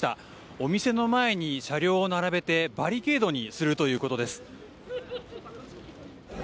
お店の前に車両を並べてバリケードにするということです。